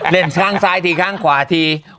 ข้างซ้ายทีข้างขวาที